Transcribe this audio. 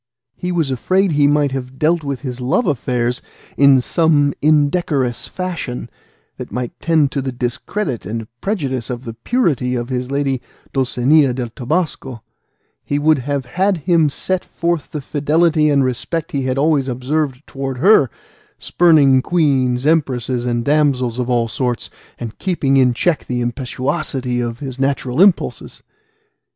He was afraid he might have dealt with his love affairs in some indecorous fashion, that might tend to the discredit and prejudice of the purity of his lady Dulcinea del Toboso; he would have had him set forth the fidelity and respect he had always observed towards her, spurning queens, empresses, and damsels of all sorts, and keeping in check the impetuosity of his natural impulses.